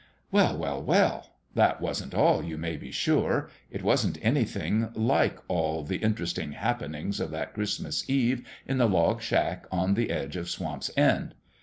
Weil, well, well ! that wasn't all, you may be sure. It wasn't anything like all the interesting happenings of that Christmas Eve in the log shack on the edge of Swamp's End.